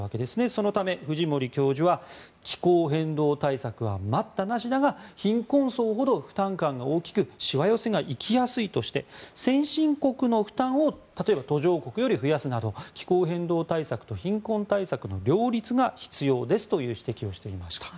そのため、藤森教授は気候変動対策は待ったなしだが貧困層ほど負担感が大きくしわ寄せが行きやすいとして先進国の負担を途上国より例えば増やすなど気候変動対策と貧困対策の両立が必要ですという指摘をしていました。